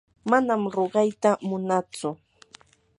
manam ruqayta munatsu.